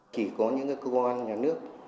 chỉ có những cơ quan nhà nước